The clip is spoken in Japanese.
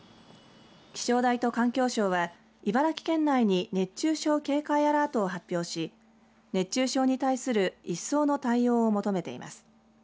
気象台と環境省は茨城県内に熱中症警戒アラートを発表し熱中症に対する一層の対応を求めています。